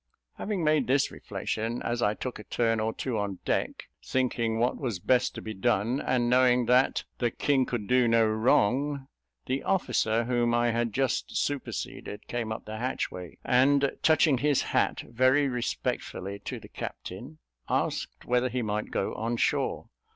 Having made this reflection, as I took a turn or two on deck, thinking what was best to be done, and knowing that "the king could do no wrong," the officer whom I had just superseded came up the hatchway, and, touching his hat very respectfully to the captain, asked whether he might go on shore.